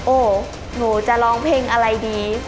หนูจะร้องเพลงอะไรดี